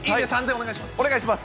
お願いします。